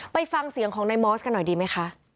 ไปฟังเสียงของนายมอสกันหน่อยดีไหมคะ